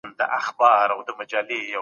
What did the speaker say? ما پرون د پښتو ژبي یو مشهور عالم ولیدی